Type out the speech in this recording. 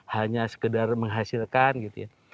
hanya sekedar menghasilkan gitu ya